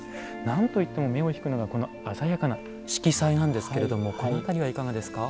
何と言っても目を引くのがこの鮮やかな色彩なんですけれどもこの辺りはいかがですか？